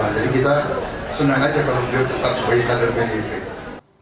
jadi kita senang aja kalau beliau tetap sebagai kader pdip